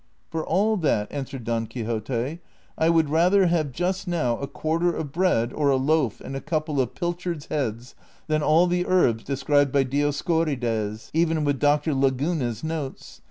" For all that," answei ed Don Quixote, " I would rather have just now a quarter of bread, or a loaf and a couple of pilchards' heads, then all the herbs described by Dioscorides, even with Dr. Laguna's notes.'